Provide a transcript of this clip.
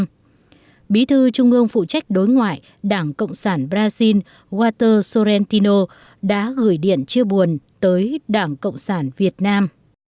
ban bí thư trung ương phụ trách đối ngoại đảng cộng sản brazil walter sorrentino đã gửi điện chia buồn tới đảng cộng sản việt nam